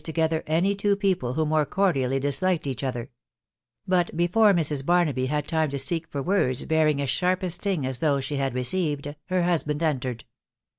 together any two people who more cordially disliked ^ each other ; but before Mrs. Barnaby had time to seek for word* bearing as sharp a sting as those she bad received, her husband entered.